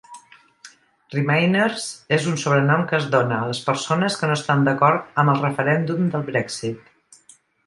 "Remainers" és un sobrenom que es dona a les persones que no estan d'acord amb el referèndum del Brexit.